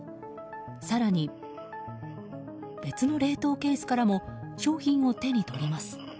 更に別の冷凍ケースからも商品を手に取ります。